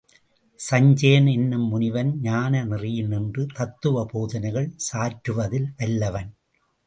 சஞ்சயன் என்னும் முனிவன் ஞான நெறியில் நின்று தத்துவ போதனைகள் சாற்றுவ தில் வல்லவன்.